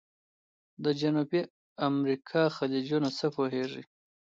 د جنوبي امریکا خلیجونه څه پوهیږئ؟